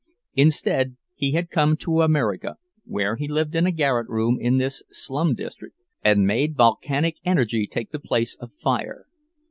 Instead he had come to America, where he lived in a garret room in this slum district, and made volcanic energy take the place of fire.